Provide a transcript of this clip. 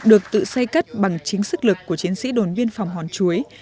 được tự xây cất bằng chính sức lực của chiến sĩ đồn biên phòng hòn chuối